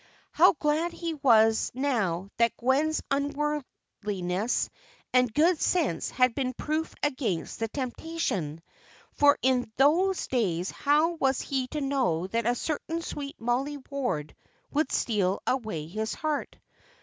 How glad he was now that Gwen's unworldliness and good sense had been proof against the temptation! For in those days how was he to know that a certain sweet Mollie Ward would steal away his heart?